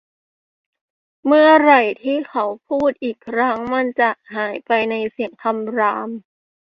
เมื่อไหร่ที่เขาพูดอีกครั้ง มันจะหายไปในเสียงคำราม